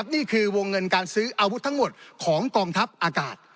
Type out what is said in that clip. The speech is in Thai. นี่คือวงเงินการซื้ออาวุธทั้งหมดของกองทัพอากาศ